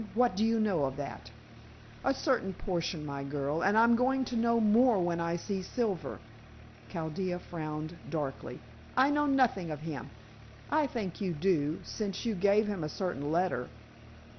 What do you know of that?" "A certain portion, my girl, and I'm going to know more when I see Silver." Chaldea frowned darkly. "I know nothing of him." "I think you do, since you gave him a certain letter."